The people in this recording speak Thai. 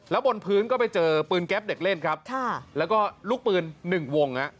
แล้วบนพื้นก็ไปเจอปืนแก๊ปเด็กเล่นครับแล้วก็ลูกปืนหนึ่งวง